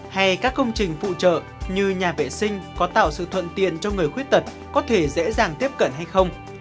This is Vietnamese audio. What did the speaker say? hay các công trình phụ trợ như nhà vệ sinh có tạo sự thuận tiện cho người khuyết tật có thể dễ dàng tiếp cận hay không